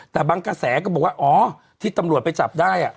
แต่บางกระแสก็บอกว่าอ๋อที่ตำรวจไปจับได้